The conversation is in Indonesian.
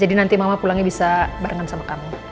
jadi nanti mama pulangnya bisa barengan sama kamu